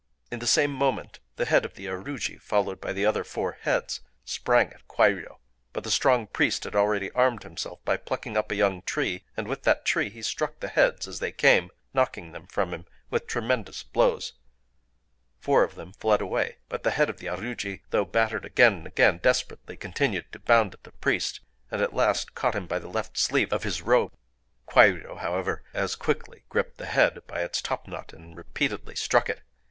In the same moment the head of the aruji, followed by the other four heads, sprang at Kwairyō. But the strong priest had already armed himself by plucking up a young tree; and with that tree he struck the heads as they came,—knocking them from him with tremendous blows. Four of them fled away. But the head of the aruji, though battered again and again, desperately continued to bound at the priest, and at last caught him by the left sleeve of his robe. Kwairyō, however, as quickly gripped the head by its topknot, and repeatedly struck it.